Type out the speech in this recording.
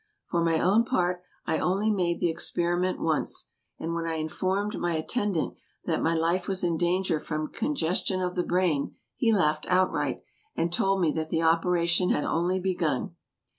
For my own part, I only made the experiment once, and when I informed my attend ant that my life was in danger from congestion of the brain, he laughed outright, and told me that the operation had only begun.